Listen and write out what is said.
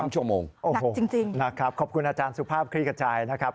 ชั่วโมงโอ้โหจริงนะครับขอบคุณอาจารย์สุภาพคลี่ขจายนะครับ